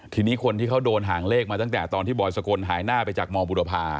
ทีนี้คนที่เขาโดนหางเลขมาตั้งแต่ตอนที่บอยสกลหายหน้าไปจากมบุรพา